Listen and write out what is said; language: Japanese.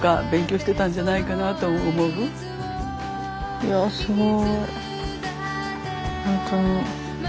えいやすごい。